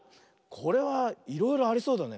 これはいろいろありそうだね。